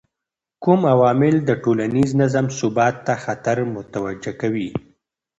کوم عوامل د ټولنیز نظم ثبات ته خطر متوجه کوي؟